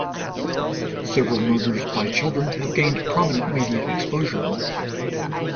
Several murders by children have gained prominent media exposure.